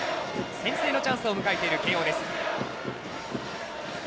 先制のチャンスを迎えている慶応。